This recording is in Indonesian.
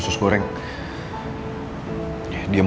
untuk selanjutnya apa anakmu